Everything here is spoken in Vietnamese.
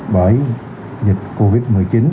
bởi dịch covid một mươi chín